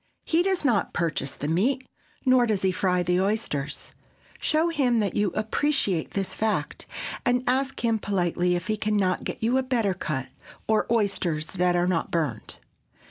He does not purchase the meat, nor does he fry the oysters. Show him that you appreciate this fact, and ask him politely if he can not get you a better cut, or oysters that are not burned.